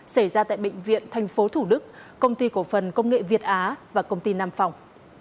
xảy ra tại bệnh viện tp thủ đức công ty cổ phần công nghệ việt á và công ty nam phòng